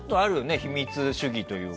秘密主義というか。